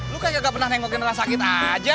lu kagak pernah nengokin orang sakit aja